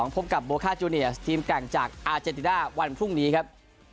พบกับโบค่าจูเนียสทีมแกร่งจากอาเจนติด้าวันพรุ่งนี้ครับ